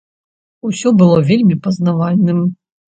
Усё было вельмі пазнавальным.